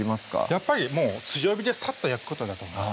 やっぱりもう強火でさっと焼くことだと思います